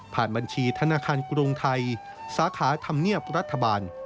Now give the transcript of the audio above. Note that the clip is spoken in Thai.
บัญชีธนาคารกรุงไทยสาขาธรรมเนียบรัฐบาล